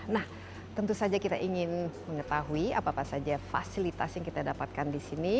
nah tentu saja kita ingin mengetahui apa apa saja fasilitas yang kita dapatkan di sini